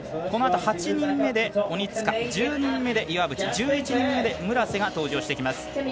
このあと８人目で鬼塚１０人目で岩渕１１人目で村瀬が登場します。